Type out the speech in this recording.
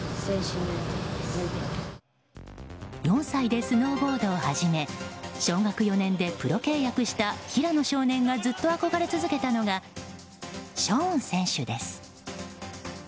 ４歳でスノーボードを始め小学４年でプロ契約した平野少年がずっと憧れ続けたのがショーン選手です。